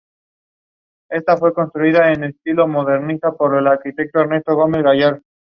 Estas aves están protegidas por la Ley Núm.